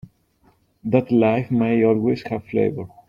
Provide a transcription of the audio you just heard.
That life may always have flavor.